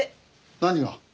何が？